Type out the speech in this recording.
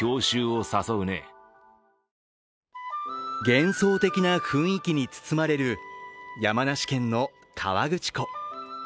幻想的な雰囲気に包まれる山梨県の河口湖。